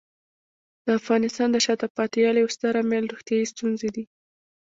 د افغانستان د شاته پاتې والي یو ستر عامل روغتیايي ستونزې دي.